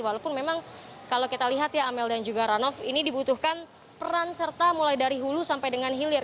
walaupun memang kalau kita lihat ya amel dan juga ranoff ini dibutuhkan peran serta mulai dari hulu sampai dengan hilir